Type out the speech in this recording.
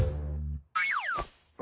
あ？